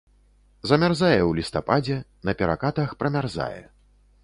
Замярзае ў лістападзе, на перакатах прамярзае.